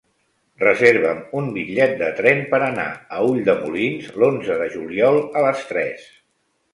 Reserva'm un bitllet de tren per anar a Ulldemolins l'onze de juliol a les tres.